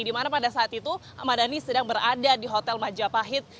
di mana pada saat itu ahmad dhani sedang berada di hotel majapahit